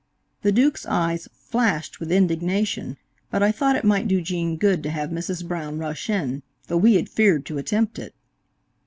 The Duke's eyes flashed with indignation, but I thought it might do Gene good to have Mrs. Brown rush in, though we had feared to attempt it.